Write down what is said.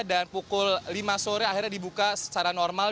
dan pukul lima sore akhirnya dibuka secara normal